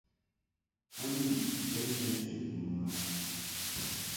A mbiʼ bɛn lɛ chəd mɨ a.